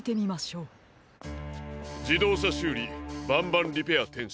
じどうしゃしゅうりバンバンリペアてん